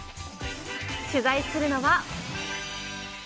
取材するのは。